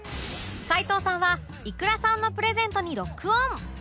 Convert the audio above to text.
齊藤さんは ｉｋｕｒａ さんのプレゼントにロックオン！